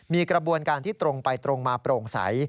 มีกระบวนการที่ตรงไปตรงมาโปร่งใส